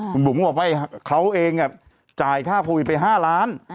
คุณบุ๋มก็บอกว่าเขาเองจ่ายค่าโควิดไป๕ล้าน